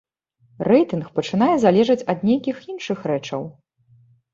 Рэйтынг пачынае залежаць ад нейкіх іншых рэчаў.